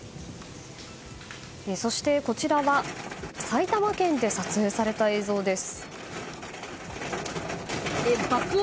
そしてこちらは埼玉県で撮影された映像です。